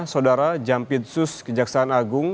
saudara jampitsus kejaksaan agung